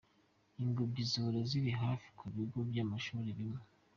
Ingobyi zihora ziri hafi ku bigo by’amashuli bimwe.